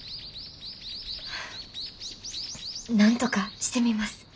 なんとかしてみます。